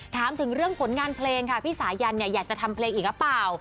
ถามถึงเรื่องผลงานเพลงค่ะพี่สายันเนี่ยอยากจะทำเพลงอีกหรือเปล่า